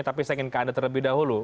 tapi saya ingin ke anda terlebih dahulu